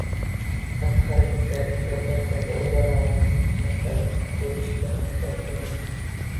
Xatti-harakatlaringiz o‘rtasidagi o‘zaro umumiy jihatlarni ko‘rishga harakat qiling.